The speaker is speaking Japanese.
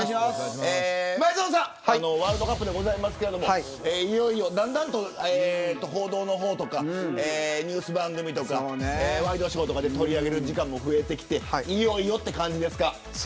前園さん、ワールドカップですがだんだんと報道の方とかニュース番組とかワイドショーとかで取り上げる時間も増えてきていよいよという感じですか。